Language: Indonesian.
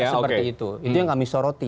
seperti itu itu yang kami soroti